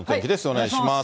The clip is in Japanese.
お願いします。